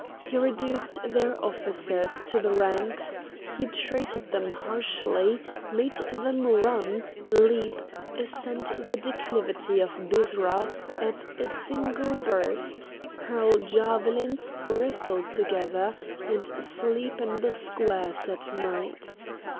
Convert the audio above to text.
He reduced their officers to the ranks; he treated them harshly, made them run, leap, ascend the declivity of Byrsa at a single burst, hurl javelins, wrestle together, and sleep in the squares at night.